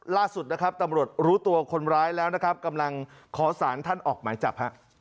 ล่าสุดตำรวจรู้ตัวคนร้ายแล้วกำลังขอสารท่านออกหมายจับ